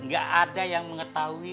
gak ada yang mengetahui